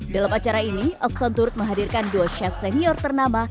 dalam acara ini okson turut menghadirkan dua chef senior ternama